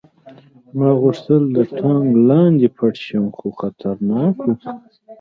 ما غوښتل د ټانک لاندې پټ شم خو خطرناک و